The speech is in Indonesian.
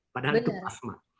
padahal itu plasma